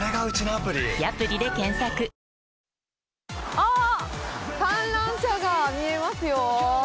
わぁ観覧車が見えますよ。